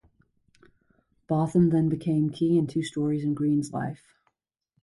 Botham then became key in two stories in Green's life.